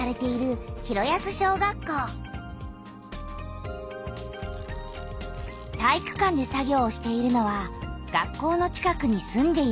体育館で作業をしているのは学校の近くに住んでいる人たち。